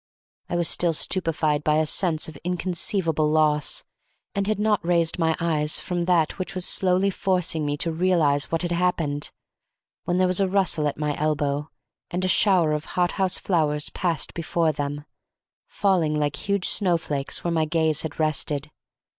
I was still stupefied by a sense of inconceivable loss, and had not raised my eyes from that which was slowly forcing me to realize what had happened, when there was a rustle at my elbow, and a shower of hothouse flowers passed before them, falling like huge snowflakes where my gaze had rested.